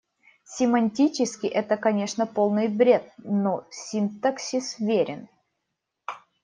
Семантически это, конечно, полный бред, но синтаксис верен.